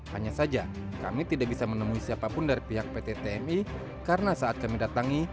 hanya saja kami tidak bisa menemui siapapun dari pihak pt tmi karena saat kami datangi